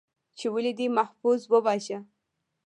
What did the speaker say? ، چې ولې دې محفوظ وواژه؟